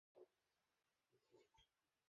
তাড়াতাড়ি এখান থেকে পালাও!